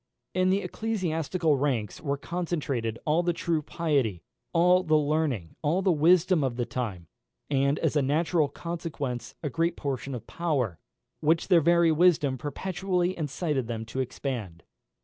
In the ecclesiastical ranks were concentrated all the true piety, all the learning, all the wisdom of the time; and, as a natural consequence, a great portion of power, which their very wisdom perpetually incited them to extend.